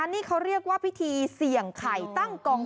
นี่เขาเรียกว่าพิธีเสี่ยงไข่ตั้งกอง